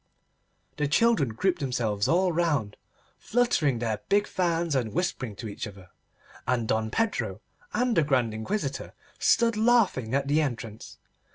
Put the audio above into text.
The children grouped themselves all round, fluttering their big fans and whispering to each other, and Don Pedro and the Grand Inquisitor stood laughing at the entrance.